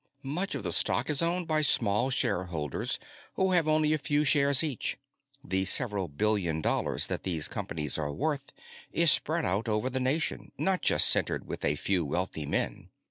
Much of the stock is owned by small share holders who have only a few shares each. The several billion dollars that these companies are worth is spread out over the nation, not just centered with a few wealthy men.